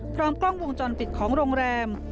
พร้อมกล้องวงจรปิดของโรงแรม